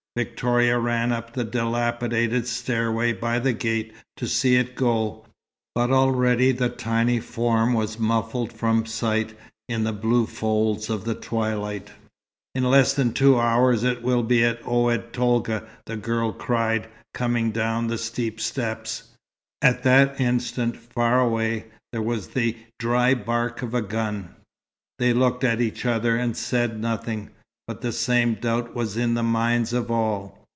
Victoria ran up the dilapidated stairway by the gate, to see it go, but already the tiny form was muffled from sight in the blue folds of the twilight. "In less than two hours it will be at Oued Tolga," the girl cried, coming down the steep steps. At that instant, far away, there was the dry bark of a gun. They looked at each other, and said nothing, but the same doubt was in the minds of all.